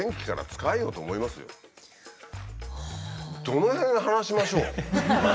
どの辺話しましょう？